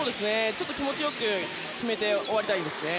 気持ち良く決めて終わりたいですね。